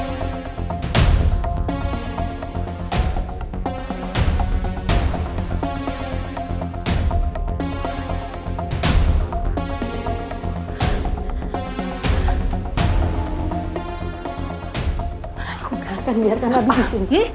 aku gak akan biarkan nabi disini